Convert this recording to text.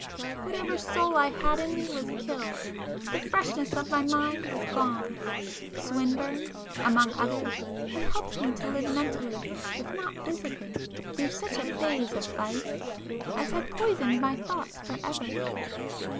Whatever soul I had in me was killed; the freshness of my mind was gone,—Swinburne, among others, had helped me to live mentally, if not physically, through such a phase of vice as had poisoned my thoughts for ever.